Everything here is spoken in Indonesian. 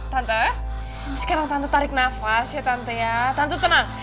tante sekarang tante tarik nafas ya tante ya tante tenang